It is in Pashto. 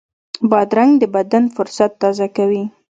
بادرنګ د بدن فُرصت تازه کوي.